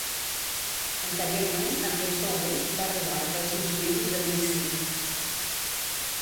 Anteriorment, en temps d'August, va arribar el règim jurídic de municipi.